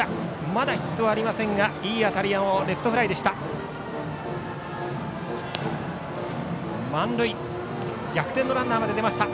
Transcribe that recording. まだヒットはありませんがいい当たりのレフトフライでした。